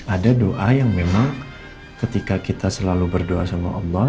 ada doa yang memang ketika kita selalu berdoa sama allah